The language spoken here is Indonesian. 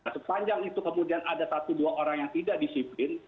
sepanjang itu kemudian ada satu dua orang yang tidak disiplin